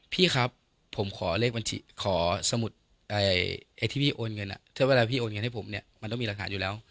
พี่ครับผมขอเลขบัญชีขอสมุดไอ้ที่พี่โอนเงินถ้าเวลาพี่โอนเงินให้ผมเนี่ยมันต้องมีหลักฐานอยู่แล้ว